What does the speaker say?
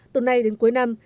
từ nay đến cuối năm